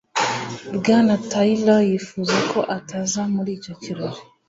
Bwana Taylor yifuza ko ataza mu kirori